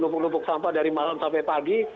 buktuk sampah dari malam sampai pagi